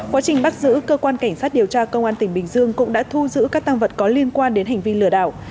quá trình bắt giữ cơ quan cảnh sát điều tra công an tỉnh bình dương cũng đã thu giữ các tăng vật có liên quan đến hành vi lừa đảo